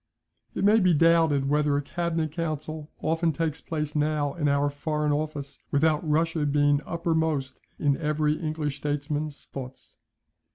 ] It may be doubted whether a cabinet council often takes place now in our Foreign Office, without Russia being uppermost in every English statesman's thoughts.